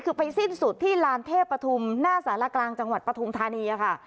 คือไปสิ้นสุดที่ลานเทพปฐุมหน้าสารกลางจังหวัดปฐุมธานีค่ะ